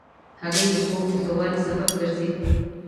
هګۍ د خوب د ښه والي سبب ګرځي.